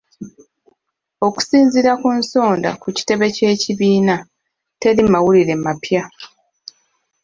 Okusinziira ku nsonda ku kitebe ky'ekibiina, tewali mawulire mapya.